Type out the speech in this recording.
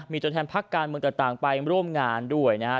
มีตัวแทนพักการเมืองต่างไปร่วมงานด้วยนะฮะ